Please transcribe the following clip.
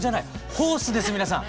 ホースです皆さん！